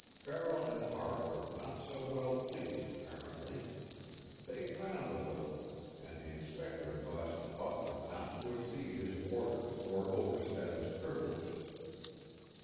Farrell and Hart were not so well pleased, apparently. They frowned a little, and the Inspector advised the butler not to exceed his orders or overstep his privileges.